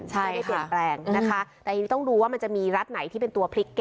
ใช่ค่ะเดี๋ยวไม่ได้เปลี่ยนแปลงนะคะแต่ต้องรู้ว่ามันจะมีรัฐไหนที่เป็นตัวพริกเกม